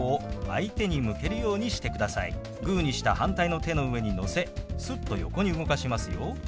グーにした反対の手の上にのせすっと横に動かしますよ。